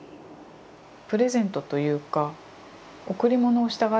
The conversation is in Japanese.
プレゼントというか贈り物をしたがるんですよね。